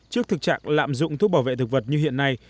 trước thực trạng lạm dụng thuốc bảo vệ thực vật như hiện nay